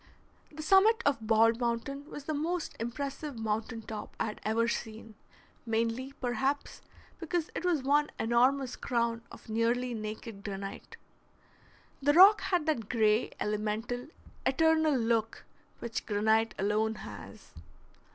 The summit of Bald Mountain was the most impressive mountain top I had ever seen, mainly, perhaps, because it was one enormous crown of nearly naked granite. The rock had that gray, elemental, eternal look which granite alone has.